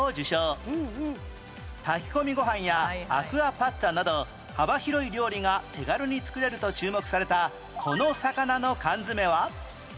炊き込みご飯やアクアパッツァなど幅広い料理が手軽に作れると注目されたこの魚の缶詰は？